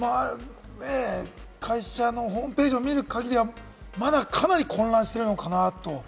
会社のホームページを見る限りは、まだかなり混乱しているのかなと。